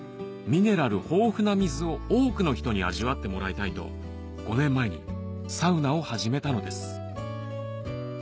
ミネラル豊富な水を多くの人に味わってもらいたいと５年前にサウナを始めたのです